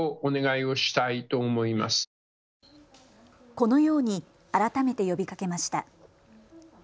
このように改めて呼びかけました。